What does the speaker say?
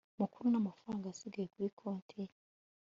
makuru n amafaranga asigaye kuri konti ye